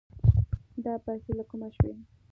دا پيسې له کومه شوې؟